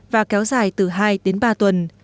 và kéo dài từ hai đến ba tuần